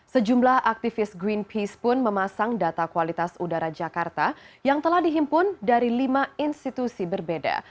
sejumlah aktivis greenpeace pun memasang data kualitas udara jakarta yang telah dihimpun dari lima institusi berbeda